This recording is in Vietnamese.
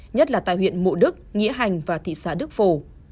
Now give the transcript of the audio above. nhất là tại huyện mộ đức nghĩa hành và thị xã đức phổ